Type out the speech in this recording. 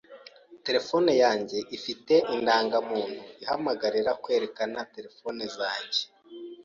Terefone yanjye ifite indangamuntu ihamagarira kwerekana telefone zanjye